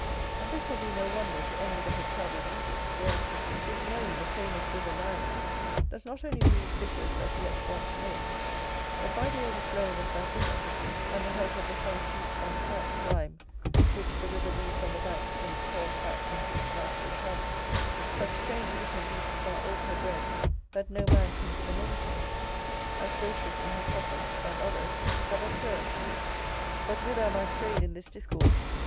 And this will be no wonder to any that have travelled Egypt; where, 'tis known, the famous river Nilus does not only breed fishes that yet want names, but, by the overflowing of that river, and the help of the sun's heat on the fat slime which the river leaves on the banks when it falls back into its natural channel, such strange fish and beasts are also bred, that no man can give a name to; as Grotius in his Sopham, and others, have observed. But whither am I strayed in this discourse.